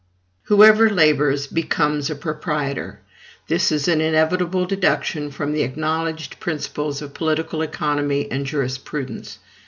Whoever labors becomes a proprietor this is an inevitable deduction from the acknowledged principles of political economy and jurisprudence.